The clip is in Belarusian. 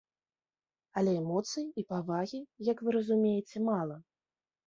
Але эмоцый і павагі, як вы разумееце, мала.